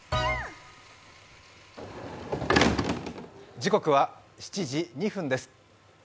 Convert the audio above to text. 時刻は７時２分です。